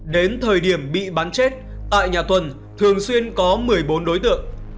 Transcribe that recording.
đến thời điểm bị bắn chết tại nhà tuần thường xuyên có một mươi bốn đối tượng